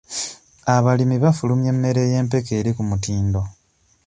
Abalimi bafulumya emmere y'empeke eri ku mutindo.